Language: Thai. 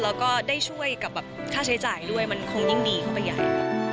แล้วก็ได้ช่วยกับค่าใช้จ่ายด้วยมันคงยิ่งดีเข้าไปใหญ่